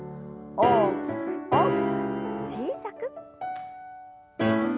大きく大きく小さく。